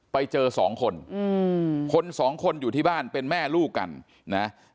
ไปเจอสองคนคนสองคนอยู่ที่บ้านเป็นแม่ลูกกันนะ